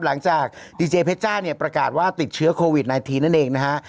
หลังจากดีเจเพชจ้าเนี่ยประกาศว่าติดเชื้อโควิด๑๙นั่นเองนะฮะ